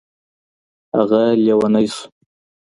هغه لیونی شو.